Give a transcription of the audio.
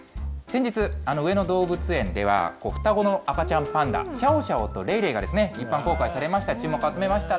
先日、上野動物園では、双子の赤ちゃんパンダ、シャオシャオとレイレイが一般公開されました。